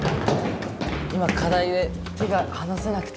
今課題で手が離せなくて。